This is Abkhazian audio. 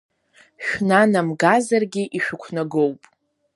Шәнанамгазаргьы ишәықәнагоуп!